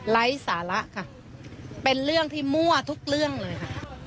ไร้สาระค่ะเป็นเรื่องที่มั่วทุกเรื่องเลยค่ะ